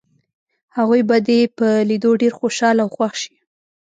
هغوی به دې په لیدو ډېر خوشحاله او خوښ شي.